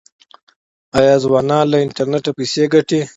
آیا ځوانان له انټرنیټ پیسې ګټي؟